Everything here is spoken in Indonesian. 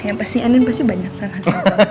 yang pasti andien pasti banyak salah